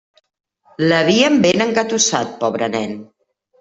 L'havien ben engatussat, pobre nen.